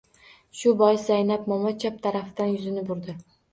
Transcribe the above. Shu bois, Zaynab momo chap tarafidan yuzini burdi.